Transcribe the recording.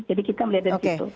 jadi kita melihat dari situ